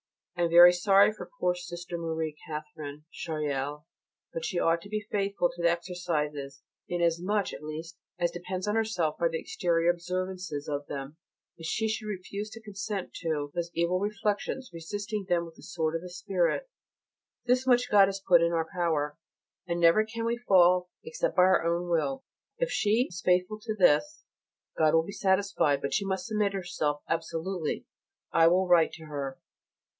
I am very sorry for poor Sister M. Catherine (Chariel), but she ought to be faithful to the exercises, in as much, at least, as depends on herself, by the exterior observance of them, and she should refuse to consent to those evil reflections, resisting them with the sword of the spirit. This much God has put in our power, and never can we fall except by our own will. If she is faithful to this, God will be satisfied, but she must submit herself absolutely. I will write to her.